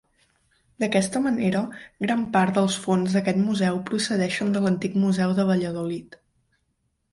D'aquesta manera, gran part dels fons d'aquest museu procedeixen de l'antic museu de Valladolid.